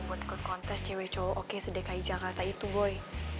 buat ikut kontes cewek cowok yang sedekai jakarta itu boy